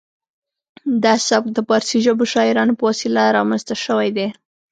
دا سبک د پارسي ژبو شاعرانو په وسیله رامنځته شوی دی